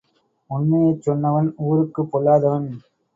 உண்மையைச் சொன்னவன் ஊருக்குப் பொல்லாதவன்.